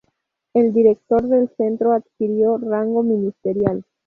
El director del centro adquirió rango ministerial.